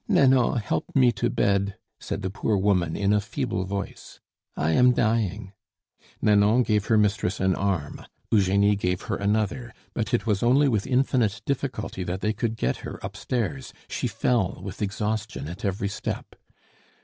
"Nanon, help me to bed," said the poor woman in a feeble voice; "I am dying " Nanon gave her mistress an arm, Eugenie gave her another; but it was only with infinite difficulty that they could get her upstairs, she fell with exhaustion at every step.